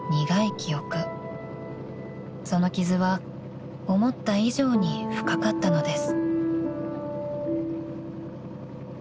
［その傷は思った以上に深かったのです］